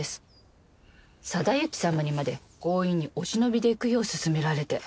定行様にまで強引にお忍びで行くよう勧められて。